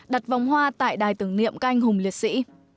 đặt vòng hoa tại đài tưởng niệm canh hùng liệt sĩ